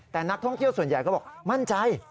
แต่นักท่องเที่ยวส่วนใหญ่ก็บอกมั่นใจ